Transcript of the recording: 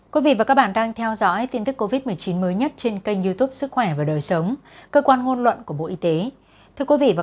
các bạn đang theo dõi tin tức covid một mươi chín mới nhất trên kênh youtube sức khỏe và đời sống cơ quan ngôn luận của bộ y tế